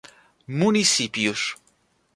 Municípios